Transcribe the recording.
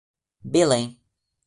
Belém